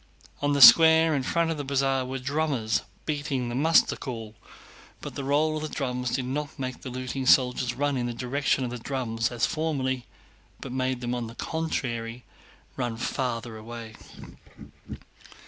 On the square in front of the Bazaar were drummers beating the muster call. But the roll of the drums did not make the looting soldiers run in the direction of the drum as formerly, but made them, on the contrary, run farther away.